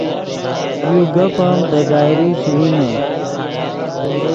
یو گپ ام دے ڈائری چے وینے